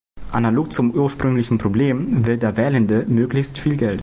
Analog zum ursprünglichen Problem will der Wählende möglichst viel Geld.